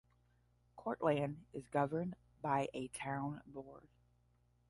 Cortlandt is governed by a town board.